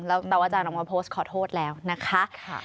แล้วอาจารย์โพสต์ขอโทษแล้วนะคะ